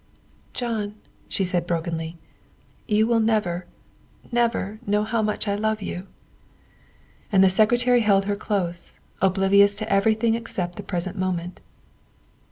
"John," she said brokenly, " you will never, never know how much I love you." And the Secretary held her close, oblivious to every thing except the present moment.